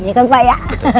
iya kan pak ya